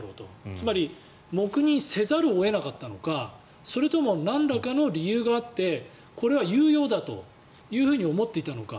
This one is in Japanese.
つまり黙認せざるを得なかったのかそれともなんらかの理由があってこれは有用だと思っていたのか。